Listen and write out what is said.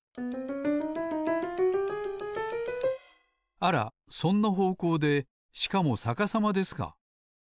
あらそんなほうこうでしかもさかさまですか。